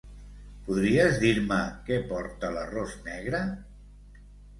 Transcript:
Podries dir-me què porta l'arròs negre?